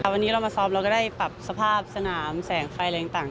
วันนี้เรามาซ้อมเราก็ได้ปรับสภาพสนามแสงไฟอะไรต่าง